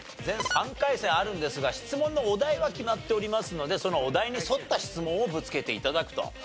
全３回戦あるんですが質問のお題は決まっておりますのでそのお題に沿った質問をぶつけて頂くと。